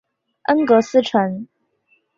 恩格斯城。